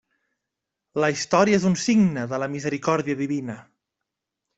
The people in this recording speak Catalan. La història és un signe de la misericòrdia divina.